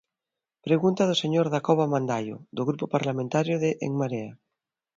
Pregunta do señor Dacova Mandaio, do Grupo Parlamentario de En Marea.